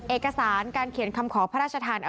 เอกสารการเขียนคำขอพระราชทาน